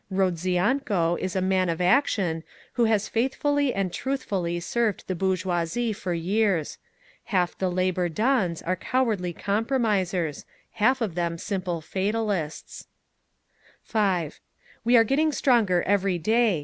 Rodzianko is a man of action, who has faithfully and truthfully served the bourgeoisie for years…. Half the Lieber Dans are cowardly compromisers; half of them simple fatalists…." "5. We're getting stronger every day.